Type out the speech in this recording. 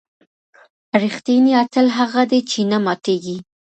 ریښتینی اتل هغه دی چې نه ماتېږي.